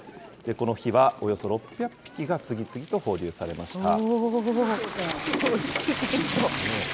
この日はおよそ６００匹が次々と放流されました。